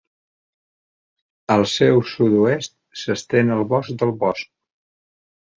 Al seu sud-oest s'estén el Bosc del Bosc.